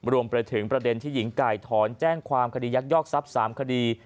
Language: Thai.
รวมไปถึงประเด็นที่หญิงไก่ถอนแจ้งความคดียักยอกทรัพย์๓คดี